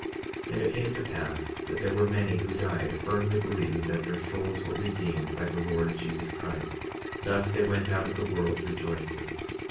46:39 And it came to pass that there were many who died, firmly believing that their souls were redeemed by the Lord Jesus Christ; thus they went out of the world rejoicing.